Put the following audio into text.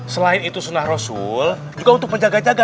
selain itu sunah rosul juga untuk penjaga jaga